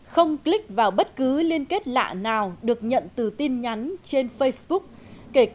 không click vào bất cứ liên kết lạ nào được nhận từ tin nhắn trên facebook